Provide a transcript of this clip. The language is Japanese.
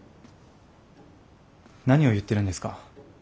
何を言ってるんですか。